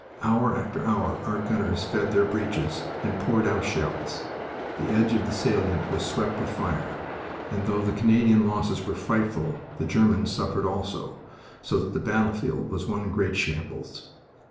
Hour after hour our gunners fed their breeches and poured out shells. The edge of the salient was swept with fire, and, though the Canadian losses were frightful, the Germans suffered also, so that the battlefield was one great shambles.